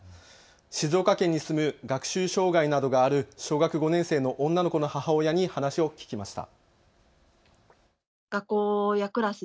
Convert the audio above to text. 静岡県に住む学習障害などがある小学５年生の女の子の母親に話を聞きました。